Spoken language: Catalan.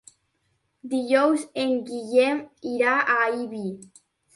Dijous en Guillem irà a Ibi.